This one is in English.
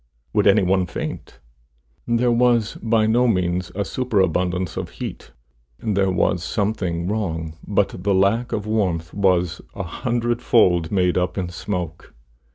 Would any one faint? There was by no means a superabundance of heat; there was something wrong, but the lack of warmth was a hundred fold made up in smoke.